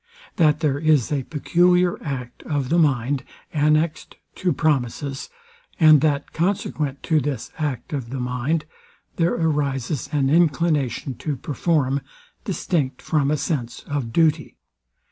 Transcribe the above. THAT THERE IS A PECULIAR ACT OF THE MIND, ANNEXT TO PROMISES; AND THAT CONSEQUENT TO THIS ACT OF THE MIND, THERE ARISES AN INCLINATION TO PERFORM, DISTINCT FROM A SENSE OF DUTY.